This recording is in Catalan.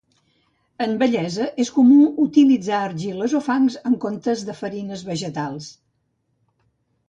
En bellesa és comú utilitzar argiles o fangs en comptes de farines vegetals.